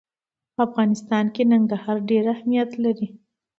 په افغانستان کې ننګرهار ډېر اهمیت لري.